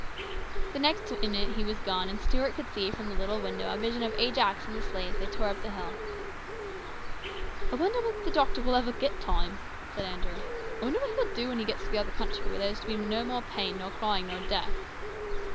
The next minute he was gone, and Stuart could see from the little window a vision of Ajax and the sleigh as they tore up the hill. " I wonder if the doctor ever will get time ?" said Andrew. " I wonder what he will do when he gets THE CONFERENCE. 253 to the other country, where there is to be no more pain nor crying nor death